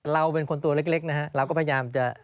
เราเป็นคนตัวเล็กนะฮะเราก็พยายามจะ